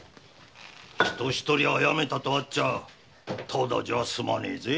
人ひとり殺めたとあっちゃただじゃ済まねえぜ。